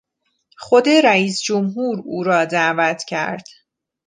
خود رییس جمهور او را دعوت کرد.